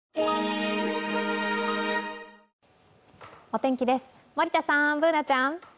お天気です、森田さん、Ｂｏｏｎａちゃん。